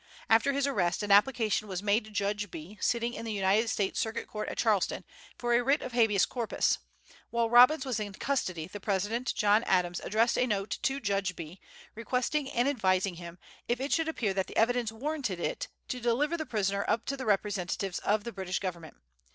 After his arrest an application was made to Judge Bee, sitting in the United States Circuit Court at Charleston, for a writ of habeas corpus. While Robbins was in custody, the President, John Adams, addressed a note to Judge Bee, requesting and advising him, if it should appear that the evidence warranted it, to deliver the prisoner up to the representatives of the British government.